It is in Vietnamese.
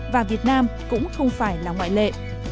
và việt nam cũng không phải là ngoại lệ